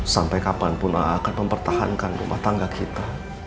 sampai kapanpun akan mempertahankan rumah tangga kita